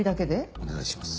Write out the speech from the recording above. お願いします。